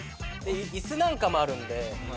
椅子なんかもあるんで。